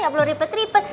gak perlu ribet ribet